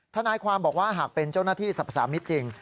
ทนายความบอกว่าหากเป็นเจ้าหน้าที่สรรพสามิตรจริง